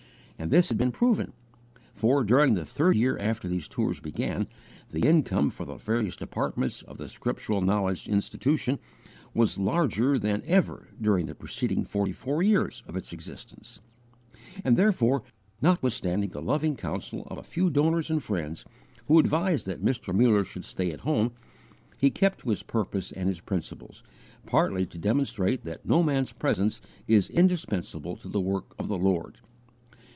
_ And this had been proven; for, during the third year after these tours began, the income for the various departments of the Scriptural Knowledge Institution was larger than ever during the preceding forty four years of its existence; and therefore, notwithstanding the loving counsel of a few donors and friends who advised that Mr. Muller should stay at home, he kept to his purpose and his principles, partly to demonstrate that no man's presence is indispensable to the work of the Lord.